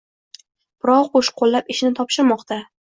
Birov qo‘shqo‘llab ishini topshirmoqda.